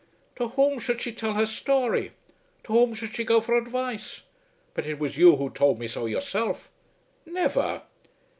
"To whom should she tell her story? To whom should she go for advice? But it was you who told me so, yourself." "Never."